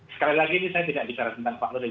sekali lagi ini saya tidak bisa resmenan pak nurin